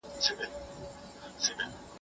له شرمه ژر په زمکه ننوځي